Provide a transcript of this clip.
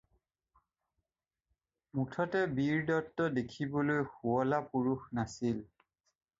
মুঠতে বীৰদত্ত দেখিবলৈ শুৱলা পুৰুষ নাছিল।